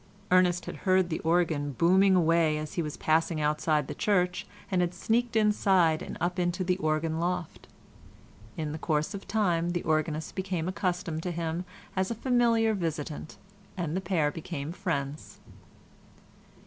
Ernest had heard the organ booming away as he was passing outside the church and had sneaked inside and up into the organ loft. In the course of time the organist became accustomed to him as a familiar visitant, and the pair became friends.